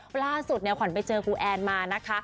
เราล่าสุดเอาอาขวัญไปเจอกูแอนมานะคะ